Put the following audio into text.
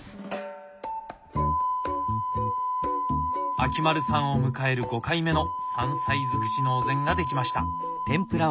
秋丸さんを迎える５回目の山菜尽くしのお膳が出来ました！